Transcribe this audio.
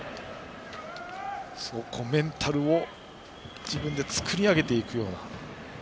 メンタルを自分で作り上げていくような。